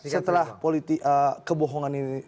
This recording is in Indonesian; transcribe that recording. setelah kebohongan ini